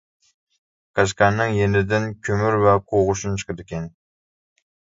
قەشقەرنىڭ يېنىدىن كۆمۈر ۋە قوغۇشۇن چىقىدىكەن.